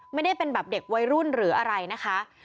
ไม่ได้เป็นแบบเด็กวัยรุ่นหรืออะไรนะคะ